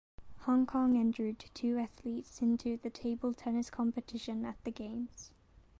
Hong Kong entered two athletes into the table tennis competition at the games.